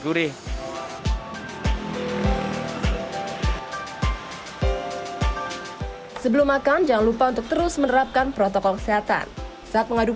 gurih sebelum makan jangan lupa untuk terus menerapkan protokol kesehatan saat mengaduk